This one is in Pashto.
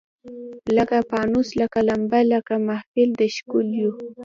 لکه پانوس لکه لمبه لکه محفل د ښکلیو